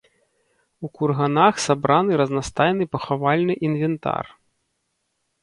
У курганах сабраны разнастайны пахавальны інвентар.